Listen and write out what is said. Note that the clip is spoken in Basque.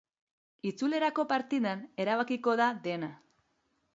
Itzulerako partidan erabakiko da dena.